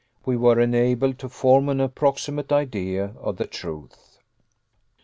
We were enabled to form an approximate idea of the truth.